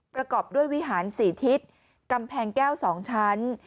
ประกอบด้วยวิหาร๔ทิศกำแพงแก้ว๒ชั้น